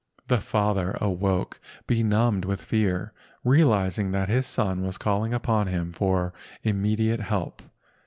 The father awoke benumbed with fear, realizing that his son was calling upon him for immediate help.